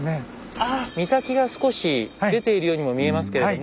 ああ岬が少し出ているようにも見えますけれども。